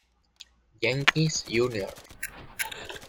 Jenkins Jr.